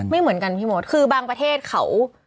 ไม่เหมือนกันพี่มดคือบางประเทศเขา